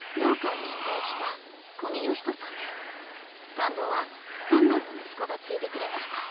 ［田んぼは三男の息子が継いでくれました］